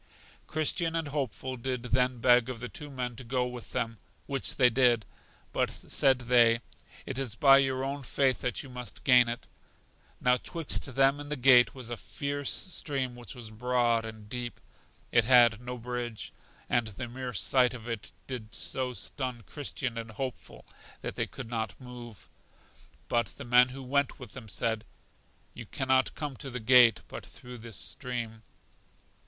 Christian and Hopeful did then beg of the two men to go with them; which they did. But, said they, It is by your own faith that you must gain it. Now 'twixt them and the gate was a fierce stream which was broad and deep; it had no bridge, and the mere sight of it did so stun Christian and Hopeful that they could not move. But the men who went with them said: You can not come to the gate but through this stream.